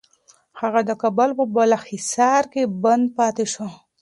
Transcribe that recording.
هغه د کابل په بالاحصار کي بند پاتې شو.